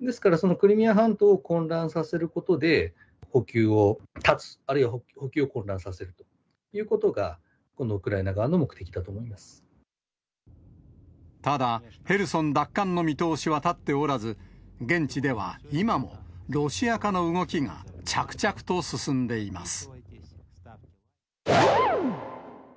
ですから、そのクリミア半島を混乱させることで、補給を断つ、あるいは補給を混乱させるということが、ウクライナ側の目的だとただ、ヘルソン奪還の見通しは立っておらず、現地では今も、ロシア化の動きが着々と進んでいます。